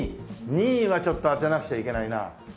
２位はちょっと当てなくちゃいけないな。